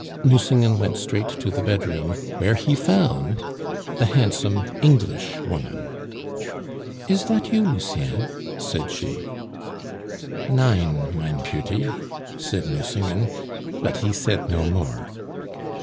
Nucingen went straight to the bedroom, where he found the handsome Englishwoman. "Is that you, Lucien?" said she. "Nein, my peauty," said Nucingen, but he said no more.